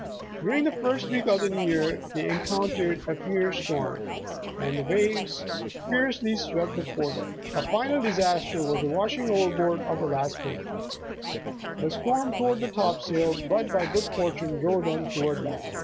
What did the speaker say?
During the first week of the new year they encoun tered a fierce storm, and "the waves frequently swept the fore deck." A final disaster was the washing over board of the last pig. The storm tore the top sail, but, by good fortune, drove them toward land.